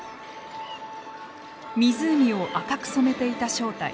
湖を赤く染めていた正体。